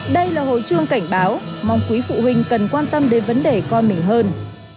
đây là hồi chuông cảnh báo mong quý phụ huynh cần quan tâm đến vấn đề con mình hơn